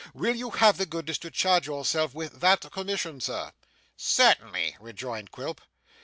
Will you have the goodness to charge yourself with that commission, Sir?' 'Certainly!' rejoined Quilp.